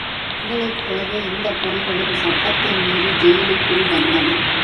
எங்களைப் போலவே இந்தப் பொருள்களும் சட்டத்தை மீறி ஜெயிலுக்குள் வந்தன.